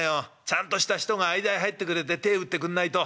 ちゃんとした人が間へ入ってくれて手ぇ打ってくんないと。